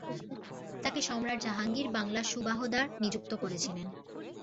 তাকে সম্রাট জাহাঙ্গীর বাংলার সুবাহদার নিযুক্ত করেছিলেন।